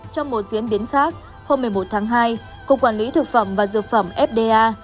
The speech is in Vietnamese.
trong một diễn biến khác hôm một mươi một tháng hai cục quản lý thực phẩm và dược phẩm fda